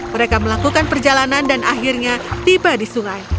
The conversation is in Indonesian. mereka melakukan perjalanan dan akhirnya tiba di sungai